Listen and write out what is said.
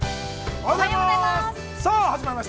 ◆おはようございます。